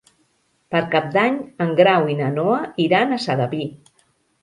Per Cap d'Any en Grau i na Noa iran a Sedaví.